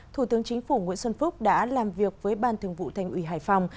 thủ tướng chính phủ nguyễn xuân phúc đã làm việc với ban thường vụ thành ủy hải phòng